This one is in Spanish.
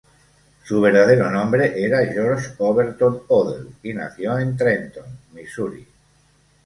Su verdadero nombre era George Overton Odell, y nació en Trenton, Misuri.